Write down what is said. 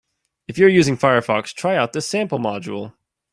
If you are using Firefox, try out this sample module.